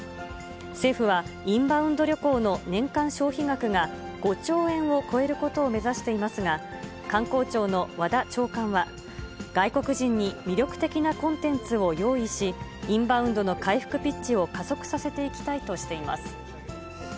政府は、インバウンド旅行の年間消費額が５兆円を超えることを目指していますが、観光庁の和田長官は、外国人に魅力的なコンテンツを用意し、インバウンドの回復ピッチを加速させていきたいとしています。